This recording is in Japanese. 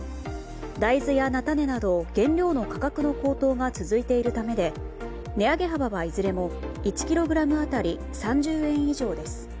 大豆や菜種など原料の価格の高騰が続いているためで値上げ幅はいずれも１ｋｇ当たり３０円以上です。